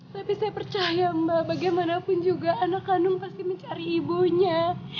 tapi saya percaya mbak bagaimanapun juga anak kandung pasti mencari ibunya